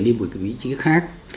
đi một vị trí khác